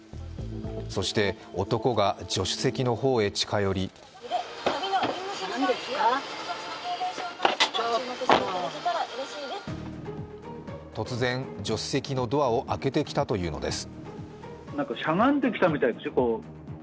そして、男が助手席の方へ近寄り突然、助手席のドアを開けてきたというのです。